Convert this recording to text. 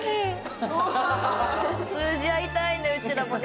通じ合いたいねうちらもね。